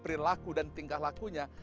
perilaku dan tingkah lakunya